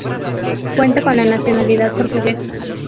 Cuenta con la nacionalidad portuguesa.